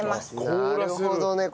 なるほどね。